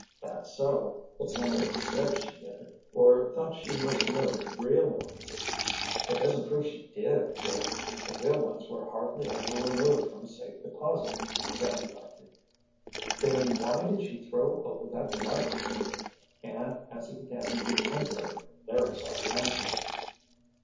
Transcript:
"That's so. But somebody said she did, or thought she must know the real ones." "That doesn't prove she did, Dick. The real ones were hardly ever removed from safe deposit," Sandy argued. "Then why did she throw over that life preserver?—" and as he began the inquiry Larry saw the answer.